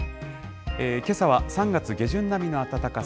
けさは３月下旬並みの暖かさ。